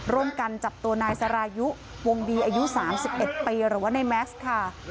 ร่วมกันจับตัวนายสรายุวงดีอายุ๓๑ปีหรือว่าในแม็กซ์ค่ะ